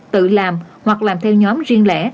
tự làm hoặc làm theo nhóm riêng lẻ